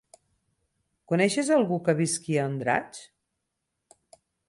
Coneixes algú que visqui a Andratx?